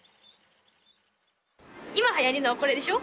今はやりのこれでしょ？